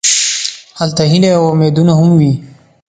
هلته هیلې او امیدونه هم وي.